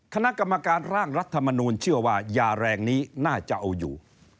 คณะกรรมการร่างรัฐมนูลเชื่อว่ายาแรงนี้น่าจะเอาอยู่